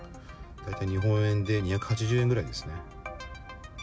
大体、日本円で２８０円くらいですね。